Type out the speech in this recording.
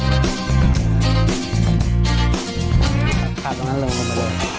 กลับตรงนั้นเริ่มมาเลย